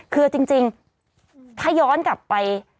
คือจริงถ้าย้อนกลับไป